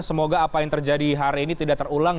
semoga apa yang terjadi hari ini tidak terulang